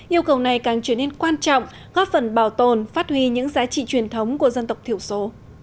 yêu cầu này càng trở nên quan trọng góp phần bảo tồn phát huy những giá trị truyền thống của dân tộc thiểu số